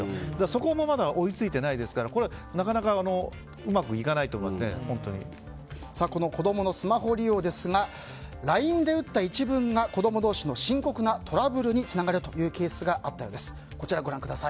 そこもまだ追いついていないですからこの子供のスマホ利用ですがＬＩＮＥで打った一文が子供同士の深刻なトラブルにつながるというケースがあったようです。